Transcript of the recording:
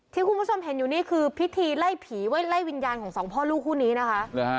ที่คุณผู้ชมเห็นอยู่นี่คือพิธีไล่ผีไว้ไล่วิญญาณของสองพ่อลูกคู่นี้นะคะ